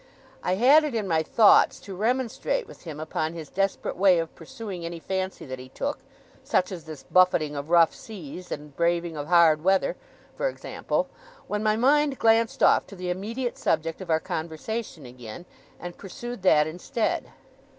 I had it in my thoughts to remonstrate with him upon his desperate way of pursuing any fancy that he took such as this buffeting of rough seas, and braving of hard weather, for example when my mind glanced off to the immediate subject of our conversation again, and pursued that instead.